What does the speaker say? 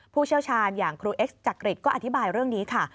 ผู้เชี่ยวชาญอย่างครูเอ็กซจักริตก็อธิบายเรื่องนี้ค่ะ